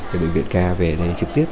từ bệnh viện k về nơi trực tiếp